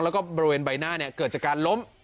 แล้วก็บริเวณใบหน้าเกิดจากการล้ม